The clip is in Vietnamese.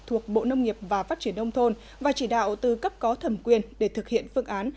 thuộc bộ nông nghiệp và phát triển đông thôn và chỉ đạo tư cấp có thẩm quyền để thực hiện phương án